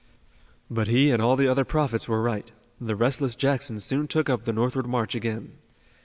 But he and all the other prophets were right. The restless Jackson soon took up the northward march again.